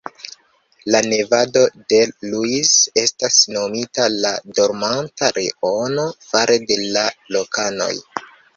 Nevado del Ruiz estas nomita la "Dormanta Leono" fare de la lokanoj.